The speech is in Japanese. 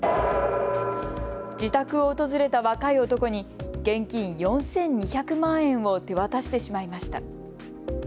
自宅を訪れた若い男に現金４２００万円を手渡してしまいました。